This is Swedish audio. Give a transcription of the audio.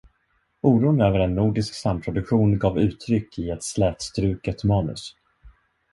Oron över en nordisk samproduktion gav uttryck i ett slätstruket manus.